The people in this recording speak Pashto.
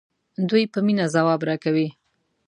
دوی په مینه ځواب راکوي.